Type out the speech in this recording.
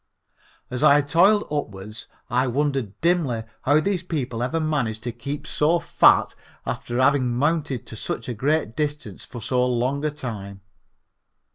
As I toiled upward I wondered dimly how these people ever managed to keep so fat after having mounted to such a great distance for so long a time.